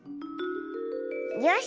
よし！